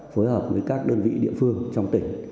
phối hợp với các đơn vị địa phương trong tỉnh